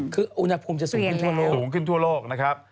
คืออุณหภูมิจะสูงขึ้นทั่วโลก